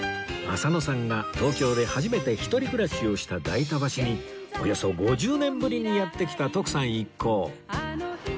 浅野さんが東京で初めて一人暮らしをした代田橋におよそ５０年ぶりにやって来た徳さん一行